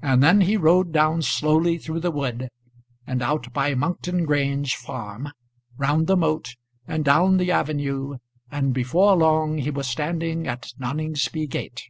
And then he rode down slowly through the wood, and out by Monkton Grange farm, round the moat, and down the avenue, and before long he was standing at Noningsby gate.